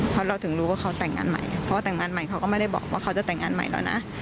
เพราะเราถึงรู้ว่าเขาแต่งงานใหม่เพราะว่าแต่งงานใหม่เขาก็ไม่ได้บอกว่าเขาจะแต่งงานใหม่แล้วนะ